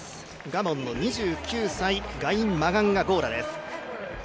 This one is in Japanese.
ガボンの２９歳、ガイ・マガンガ・ゴーラです。